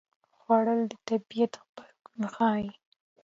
خوړل د طبیعت غبرګون ښيي